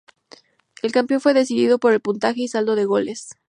El campeón fue decidido por el puntaje y saldo de goles.